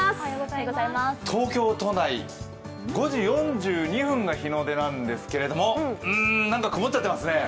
東京都内、５時４２分が日の出なんですけれども、うーん、なんか曇っちゃってますね。